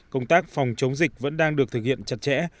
công tác phòng chống dịch vẫn đang được thực hiện chặt chẽ